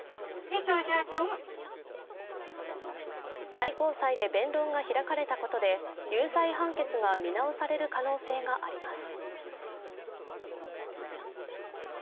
最高裁で弁論が開かれたことで有罪判決が見直される可能性があります。